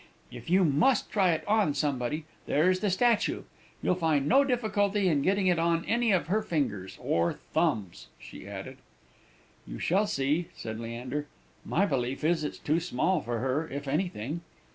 "If you must try it on somebody, there's the statue! You'll find no difficulty in getting it on any of her fingers or thumbs," she added. "You shall see," said Leander. "My belief is, it's too small for her, if anything."